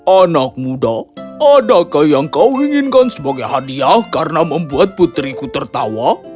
anak muda adakah yang kau inginkan sebagai hadiah karena membuat putriku tertawa